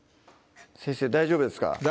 先生大丈夫ですか？